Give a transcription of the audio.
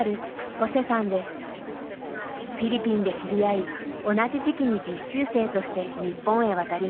フィリピンで知り合い同じ時期に実習生として日本へ渡りました。